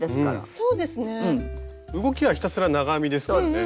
あそうですね。動きはひたすら長編みですからね。